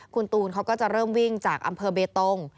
คุณตูนเขาก็จะเริ่มวิ่งจากอำเภอเบตง